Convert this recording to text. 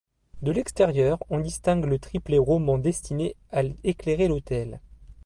De l'extérieur, on distingue le triplet roman destiné à éclairer l’autel.